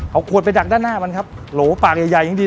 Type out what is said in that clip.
เอาขวดไปดักด้านหน้ามันครับโหลปากใหญ่ใหญ่อย่างดี